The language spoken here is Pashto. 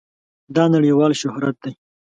دا نړېوال شهرت دی.